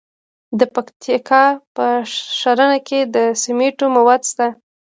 د پکتیکا په ښرنه کې د سمنټو مواد شته.